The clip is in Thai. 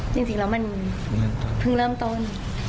จริงแล้วมันเพิ่งเริ่มต้น